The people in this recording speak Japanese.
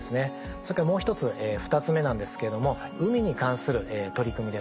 それからもう１つ２つ目なんですけれども海に関する取り組みです。